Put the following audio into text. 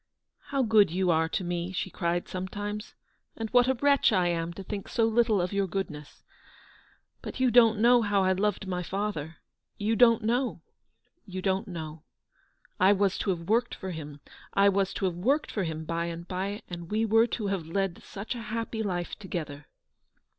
" How good you are to me," she cried some times, " and what a wretch I am to think so little of your goodness. But you don't know how I loved my father. You don't know — you don't know. I was to have worked for him ; I was to have worked for him by and by, and we were to have led such a happy life together."